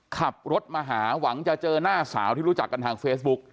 ขับรถมาหาหวังจะเจอหน้าสาวที่รู้จักกันทางเฟซบุ๊ก